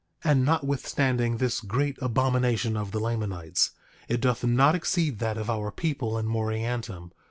9:9 And notwithstanding this great abomination of the Lamanites, it doth not exceed that of our people in Moriantum.